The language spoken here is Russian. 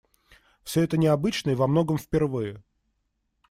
Все это необычно и во многом впервые.